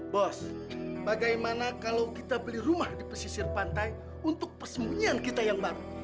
bos bagaimana kalau kita beli rumah di pesisir pantai untuk persembunyian kita yang baru